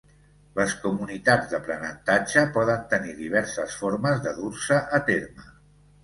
Les comunitats d'aprenentatge poden tenir diverses formes de dur-se a terme.